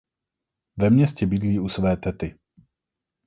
Ve městě bydlí u své tety.